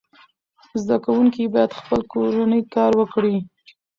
زده کوونکي باید خپل کورنی کار وکړي.